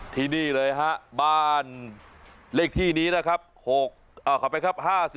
ที่นี่เลยฮะบ้านเลขที่นี้นะครับ